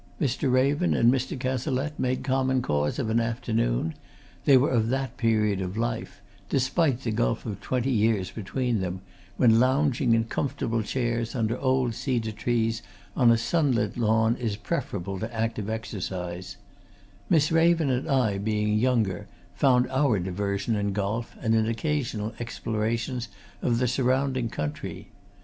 Mr. Raven and Mr. Cazalette made common cause of an afternoon; they were of that period of life despite the gulf of twenty years between them when lounging in comfortable chairs under old cedar trees on a sunlit lawn is preferable to active exercise; Miss Raven and I being younger, found our diversion in golf and in occasional explorations of the surrounding country.